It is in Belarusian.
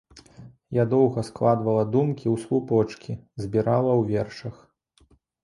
Я доўга складвала думкі ў слупочкі, збірала ў вершах.